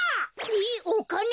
えっおかね！？